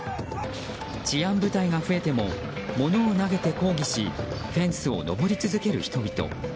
治安部隊が増えても物を投げて抗議しフェンスを登り続ける人々。